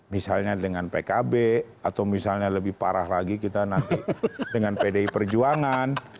misalnya dengan pkb atau misalnya lebih parah lagi kita nanti dengan pdi perjuangan